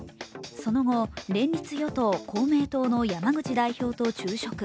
その後、連立与党・公明党の山口代表と昼食。